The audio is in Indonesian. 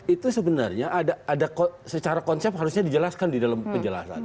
itu sebenarnya ada secara konsep harusnya dijelaskan di dalam penjelasan